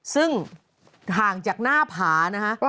ซึ่งห่างจากหน้าผา